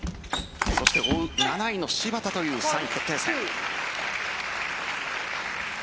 そして、追う７位の芝田という３位決定戦。